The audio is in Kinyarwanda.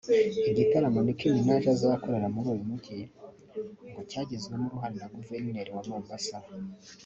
Igitaramo Nicki Minaj azakorera muri uyu mujyi ngo cyagizwemo uruhare na Guverineri wa Mombasa